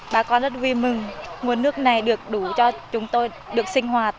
bà con rất vui mừng nguồn nước này được đủ cho chúng tôi được sinh hoạt